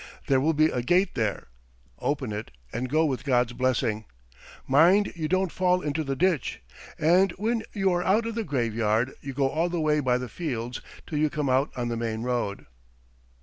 There will be a gate there. ... Open it and go with God's blessing. Mind you don't fall into the ditch. And when you are out of the graveyard you go all the way by the fields till you come out on the main road."